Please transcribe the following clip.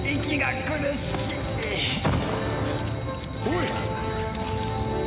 おい！